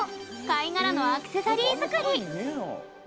貝殻のアクセサリー作り。